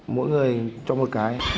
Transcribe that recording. mỗi người cho một cái